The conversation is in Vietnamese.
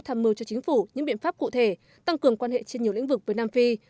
tham mưu cho chính phủ những biện pháp cụ thể tăng cường quan hệ trên nhiều lĩnh vực với nam phi